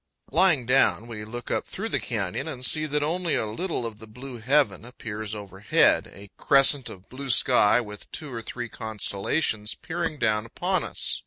Lying down, we look up through the canyon and see that only a little of the blue heaven appears overhead a crescent of blue sky, with two or three constellations peering down upon us.